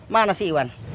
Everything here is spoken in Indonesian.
mana sih iwan